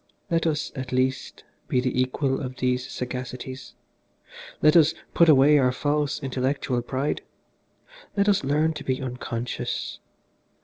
Let us, at least, be the equal of these sagacities. Let us put away our false intellectual pride. Let us learn to be unconscious.